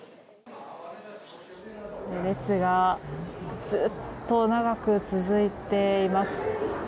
列がずっと長く続いています。